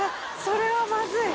それはまずい。